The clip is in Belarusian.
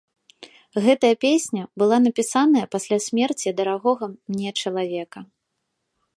Гэтая песня была напісаная пасля смерці дарагога мне чалавека.